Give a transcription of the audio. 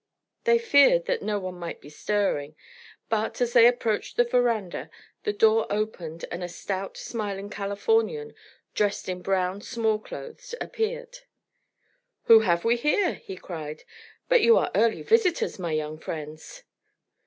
They feared that no one might be stirring, but, as they approached the verandah, the door opened and a stout smiling Californian, dressed in brown small clothes, appeared. "Who have we here?" he cried. "But you are early visitors, my young friends."